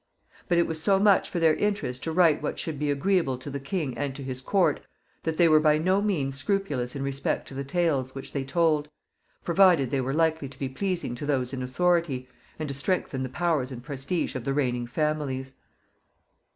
But it was so much for their interest to write what should be agreeable to the king and to his court, that they were by no means scrupulous in respect to the tales which they told, provided they were likely to be pleasing to those in authority, and to strengthen the powers and prestige of the reigning families.